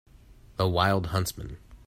The wild huntsman.